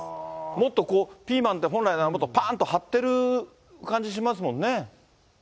もっとこう、ピーマンって本来なら、ぱーんと張っている感じしますもんね。